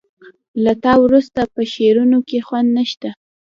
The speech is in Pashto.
له تا وروسته په شعرونو کې خوند نه شته